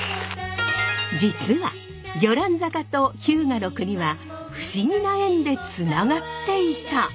実は魚籃坂と日向国は不思議な縁でつながっていた！